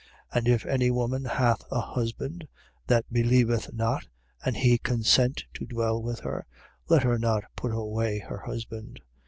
And if any woman hath a husband that believeth not and he consent to dwell with her: let her not put away her husband.